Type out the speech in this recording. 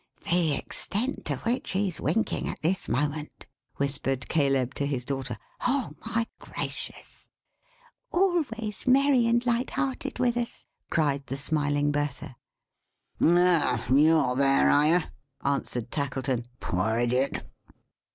"The extent to which he's winking at this moment!" whispered Caleb to his daughter. "Oh, my gracious!" "Always merry and light hearted with us!" cried the smiling Bertha. "Oh! you're there, are you?" answered Tackleton. "Poor Idiot!"